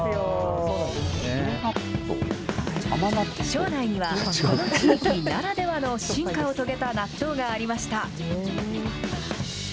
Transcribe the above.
庄内には、この地域ならではの進化を遂げた納豆がありました。